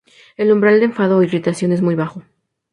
El umbral de enfado o irritación es muy bajo.